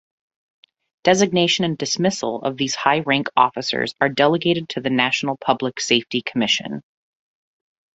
Designation and dismissal of these high-rank officers are delegated to National Public Safety Commission.